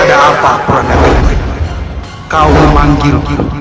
ada apa kurang lebih baik kau memanggil